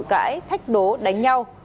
cãi thách đố đánh nhau